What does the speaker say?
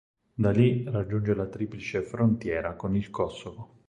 Da lì raggiunge la triplice frontiera con il Kosovo.